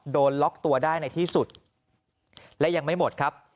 โดนล็อกตัวได้ในที่สุดและยังไม่หมดครับ